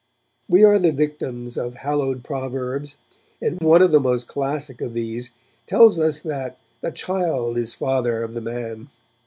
We are the victims of hallowed proverbs, and one of the most classic of these tells us that 'the child is father of the man'.